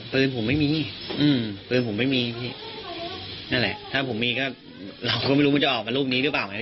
เพื่อนผมไม่มีถ้าผมมีเราก็ไม่รู้มันจะออกมารูปนี้หรือเปล่า